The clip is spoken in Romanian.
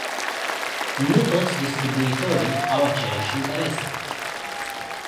Nu toți distribuitorii au aceleași interese.